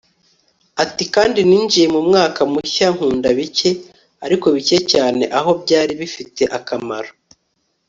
ati: kandi ninjiye mu mwaka mushya nkunda bike, ariko bike cyane aho byari bifite akamaro